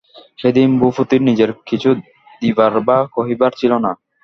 সেদিন ভূপতির নিজের কিছু দিবার বা কহিবার ছিল না।